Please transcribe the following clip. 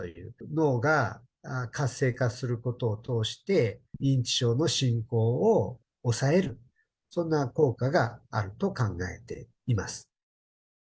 脳が活性化することを通して、認知症の進行を抑える、そんな効果があると考えています。